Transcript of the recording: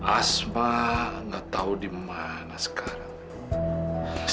asma nggak tahu di mana sekarang